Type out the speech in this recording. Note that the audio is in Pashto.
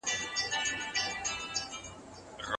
د ښووني لپاره به نوي کړنلاره جوړه سي.